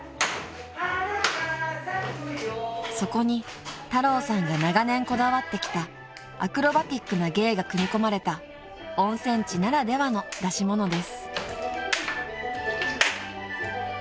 ［そこに太郎さんが長年こだわってきたアクロバティックな芸が組み込まれた温泉地ならではの出し物です］